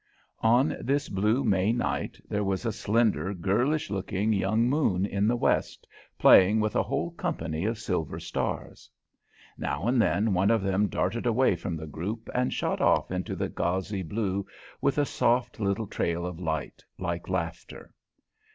On this blue May night there was a slender, girlish looking young moon in the west, playing with a whole company of silver stars. Now and then one of them darted away from the group and shot off into the gauzy blue with a soft little trail of light, like laughter.